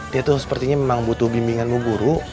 dia tuh sepertinya memang butuh bimbingan bu guru